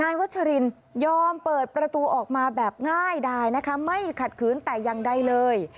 วัชรินยอมเปิดประตูออกมาแบบง่ายดายนะคะไม่ขัดขืนแต่อย่างใดเลย